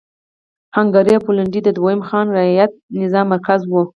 هنګري او پولنډ د دویم خان رعیت نظام مرکز و.